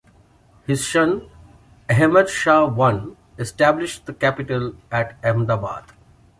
His son, Ahmed Shah I established the capital at Ahmedabad.